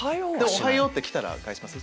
「おはよう」って来たら返します？